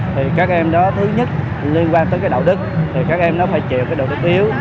thì các em đó thứ nhất liên quan tới cái đạo đức thì các em nó phải chịu cái độ thực yếu